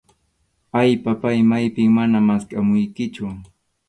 Ay, papáy, maypim mana maskhamuykichu.